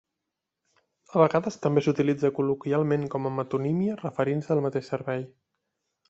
A vegades també s'utilitza col·loquialment com a metonímia referint-se al mateix servei.